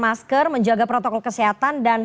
masker menjaga protokol kesehatan dan